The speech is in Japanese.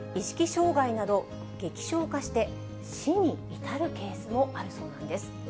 障害など、劇症化して、死に至るケースもあるそうなんです。